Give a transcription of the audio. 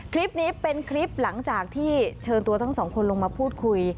คลิปนี้เป็นคลิปหลังจากที่เชิญตัวทั้งสองคนลงมาพูดคุย